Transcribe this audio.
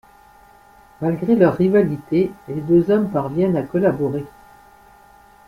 Malgré leur rivalité, les deux hommes parviennent à collaborer.